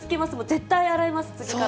絶対洗います、次から。